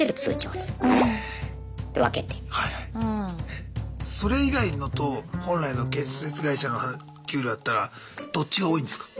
えそれ以外のと本来の建設会社の給料だったらどっちが多いんですか？